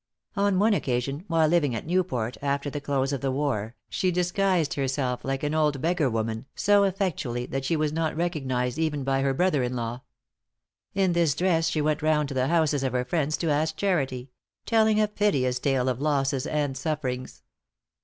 On one occasion, while living at Newport after the close of the war, she disguised herself like an old beggar woman, so effectually that she was not recognized even by her brother in law. In this dress she went round to the houses of her friends to ask charity telling a piteous tale of losses and sufferings.